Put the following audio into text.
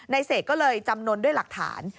เสกก็เลยจำนวนด้วยหลักฐาน